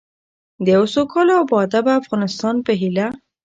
د یوه سوکاله او باادبه افغانستان په هیله.